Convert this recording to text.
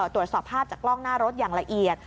ตรวจสอบภาพจากกล้องหน้ารถอย่างละเอียด